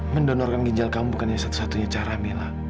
mendonorkan ginjal kamu bukan yang satu satunya cara mila